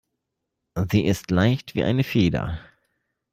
Sie ist leicht wie eine Feder.